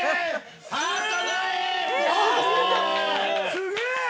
◆すげえ。